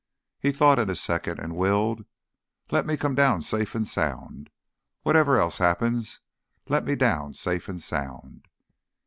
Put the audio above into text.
He thought in a second, and willed. "Let me come down safe and sound. Whatever else happens, let me down safe and sound."